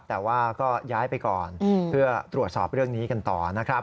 แต่ว่าก็ย้ายไปก่อนเพื่อตรวจสอบเรื่องนี้กันต่อนะครับ